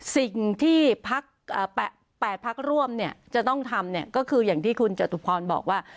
สิ่งที่๘พักร่วมจะต้องทำก็คืออย่างที่คุณจตุพรบอกว่า